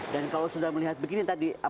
dan kalau sudah melihat begini tadi